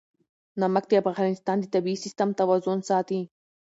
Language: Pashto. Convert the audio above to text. نمک د افغانستان د طبعي سیسټم توازن ساتي.